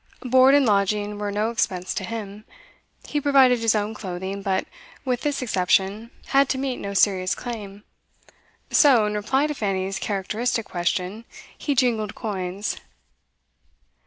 Board and lodging were no expense to him; he provided his own clothing, but, with this exception, had to meet no serious claim. So, in reply to Fanny's characteristic question, he jingled coins.